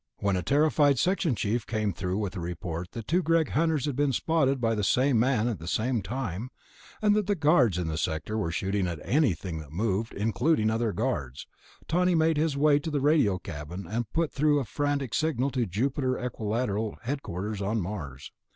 When a terrified section chief came through with a report that two Greg Hunters had been spotted by the same man at the same time, and that the guards in the sector were shooting at anything that moved, including other guards, Tawney made his way to the radio cabin and put through a frantic signal to Jupiter Equilateral headquarters on Mars.